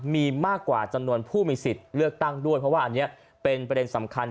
มีมากกว่าจำนวนผู้มีสิทธิ์เลือกตั้งด้วยเพราะว่าอันนี้เป็นประเด็นสำคัญ